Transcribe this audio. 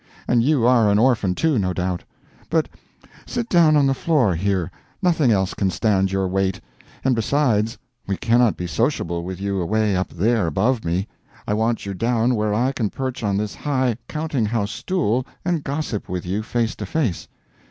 And you are an orphan, too, no doubt. But sit down on the floor here nothing else can stand your weight and besides, we cannot be sociable with you away up there above me; I want you down where I can perch on this high counting house stool and gossip with you face to face."